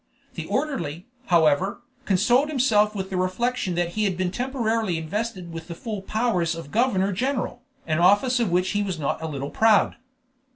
The orderly, however, consoled himself with the reflection that he had been temporarily invested with the full powers of governor general, an office of which he was not a little proud.